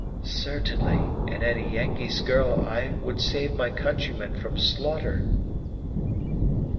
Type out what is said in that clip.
"Certainly, and as a Yengeese girl I would save my countrymen from slaughter."